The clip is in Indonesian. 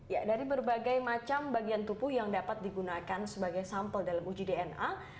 ya dari berbagai macam bagian tubuh yang dapat digunakan sebagai sampel dalam uji dna